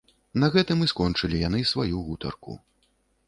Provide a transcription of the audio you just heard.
На гэтым і скончылі яны сваю гутарку.